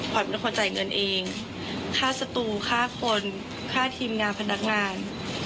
เป็นคนจ่ายเงินเองค่าสตูฆ่าคนค่าทีมงานพนักงาน